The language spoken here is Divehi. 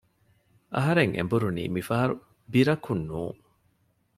އަހަރެން އެނބުރުނީ މިފަހަރު ބިރަކުން ނޫން